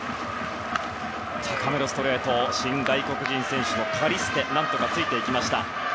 高めのストレートに新外国人選手のカリステが何とかついていきました。